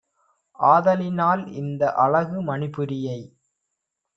ஆதலினால் இந்த அழகு மணிபுரியை